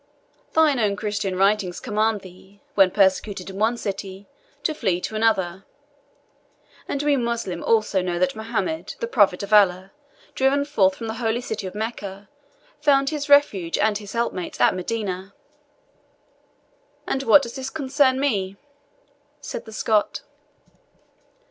Thine own Christian writings command thee, when persecuted in one city, to flee to another; and we Moslem also know that Mohammed, the Prophet of Allah, driven forth from the holy city of Mecca, found his refuge and his helpmates at Medina." "And what does this concern me?" said the Scot.